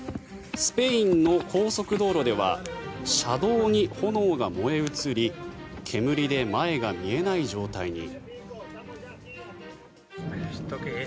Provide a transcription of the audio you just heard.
スペインの高速道路では車道に炎が燃え移り煙で前が見えない状態に。